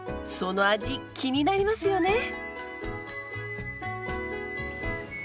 その味気になりますよね？